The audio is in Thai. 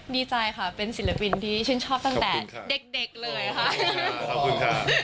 ดีใจค่ะเป็นศิลปินที่ชื่นชอบตั้งแต่เด็กเลยค่ะ